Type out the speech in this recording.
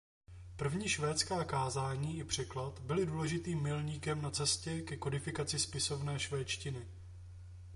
První švédská kázání i překlad byly důležitým milníkem na cestě ke kodifikaci spisovné švédštiny.